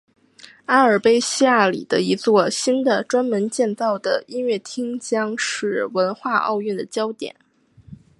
阿尔卑西亚里的一座新的专门建造的音乐厅将是文化奥运的焦点。